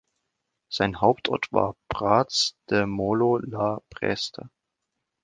Sein Hauptort war Prats-de-Mollo-la-Preste.